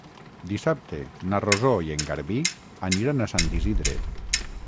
Dissabte na Rosó i en Garbí aniran a Sant Isidre.